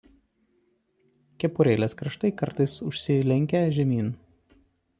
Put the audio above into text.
Kepurėlės kraštai kartais užsilenkę žemyn.